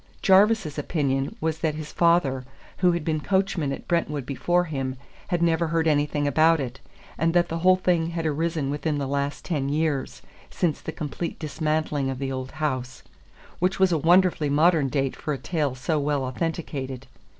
Jarvis's opinion was that his father, who had been coachman at Brentwood before him, had never heard anything about it, and that the whole thing had arisen within the last ten years, since the complete dismantling of the old house; which was a wonderfully modern date for a tale so well authenticated.